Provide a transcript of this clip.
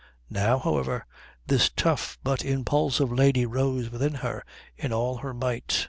Now, however, this tough but impulsive lady rose within her in all her might.